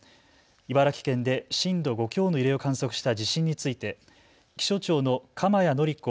茨城県で震度５強の揺れを観測した地震について気象庁の鎌谷紀子